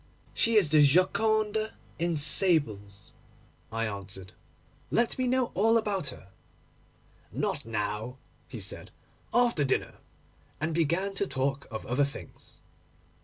'She is the Gioconda in sables,' I answered. 'Let me know all about her.' 'Not now,' he said; 'after dinner,' and began to talk of other things.